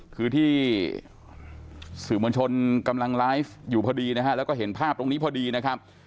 คือที่สื่อมวลชนกำลังไลฟ์อยู่พอดีนะฮะแล้วก็เห็นภาพตรงนี้พอดีนะครับ